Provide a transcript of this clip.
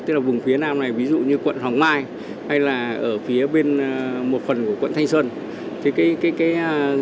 tức là vùng phía nam này ví dụ như quận hoàng mai hay là ở phía bên một phần của quận thanh xuân